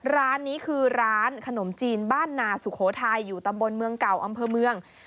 ร้านนี้คือร้านขนมจีนบ้านนาสุโขทัยอยู่ตำบลเมืองเก่าอำเภอเมือง